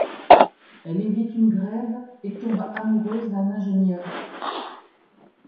Elle évite une grève, et tombe amoureuse d'un ingénieur.